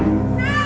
pursihin dulu yuk